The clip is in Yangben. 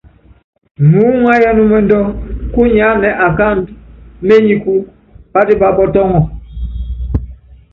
Muúŋayɔ ɛnúmɛndɔ kúnyánɛ akáandɔ ményiku, pátípa pɔtɔŋɔ.